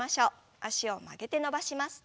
脚を曲げて伸ばします。